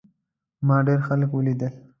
ما ډېر خلک ولیدل.